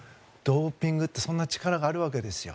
ドーピングってそんな力があるわけですよ。